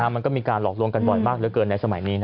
มันก็มีการหลอกลวงกันบ่อยมากเหลือเกินในสมัยนี้